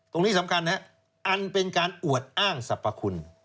ตรงนี้สำคัญนะครับอันเป็นการอวดอ้างสรรพคุณ